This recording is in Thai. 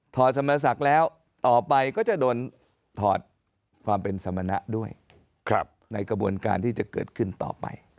สมศักดิ์แล้วต่อไปก็จะโดนถอดความเป็นสมณะด้วยในกระบวนการที่จะเกิดขึ้นต่อไป